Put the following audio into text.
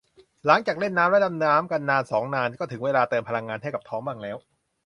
หลังจากเล่นน้ำและดำน้ำกันนานสองนาน ก็ถึงเวลาเติมพลังงานให้กับท้องบ้างแล้ว